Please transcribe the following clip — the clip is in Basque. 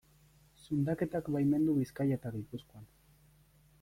Zundaketak baimendu Bizkaia eta Gipuzkoan.